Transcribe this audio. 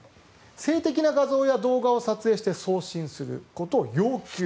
性的な画像や動画を撮影して送信することを要求。